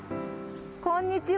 こんにちは。